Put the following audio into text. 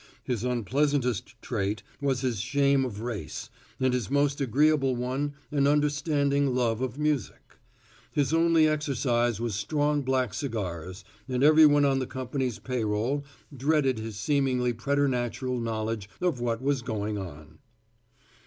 His unpleasantest trait was his shame of race, and his most agreeable one an understanding love of music. His only exercise was strong black cigars, and everyone on the company's payroll dreaded his seemingly preternatural knowledge of what was going on.